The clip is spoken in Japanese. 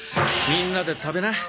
みんなで食べな。